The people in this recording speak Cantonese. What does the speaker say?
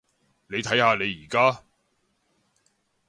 你睇下你而家？